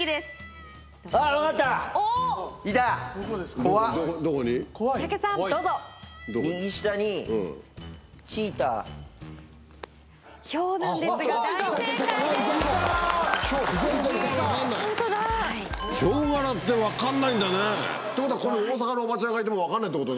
ヒョウ柄って分かんないんだねってことは。